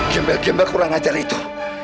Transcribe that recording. gembel gembel kurang ajar itu